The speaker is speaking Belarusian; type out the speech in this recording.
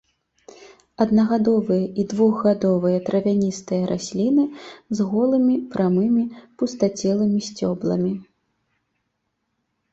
Аднагадовыя і двухгадовыя травяністыя расліны з голымі, прамымі, пустацелымі сцёбламі.